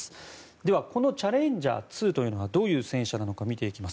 ではこのチャレンジャー２というのはどういう戦車なのか見ていきます。